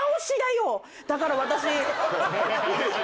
だから私。